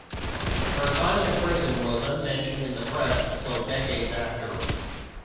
Her time in prison was unmentioned in the press until decades after.